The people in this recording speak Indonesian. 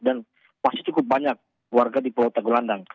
masih cukup banyak warga di pulau tegelandang